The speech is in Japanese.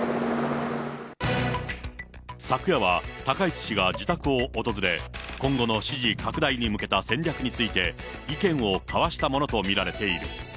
昨夜は高市氏が自宅を訪れ、今後の支持拡大に向けた戦略について、意見を交わしたものと見られている。